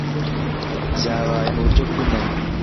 Byabaye Mu buryo bw’impanuka